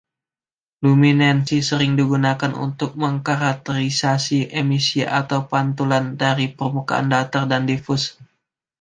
Luminance sering digunakan untuk mengkarakterisasi emisi atau pantulan dari permukaan datar dan difus.